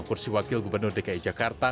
kursi wakil gubernur dki jakarta